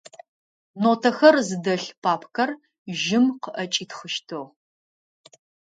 Нотэхэр зыдэлъ папкэр жьым къыӏэкӏитхъыщтыгъ.